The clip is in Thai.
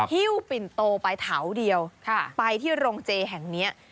ฮิ้วปิ่นโตไปเถาเดียวไปที่โรงเจแห่งนี้